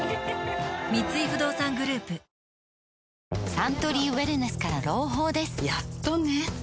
サントリーウエルネスから朗報ですやっとね